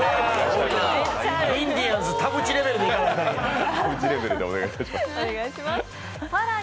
インディアンス・田渕レベルですね。